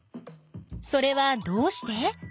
それはどうして？